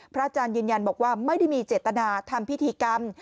อาจารย์ยืนยันบอกว่าไม่ได้มีเจตนาทำพิธีกรรม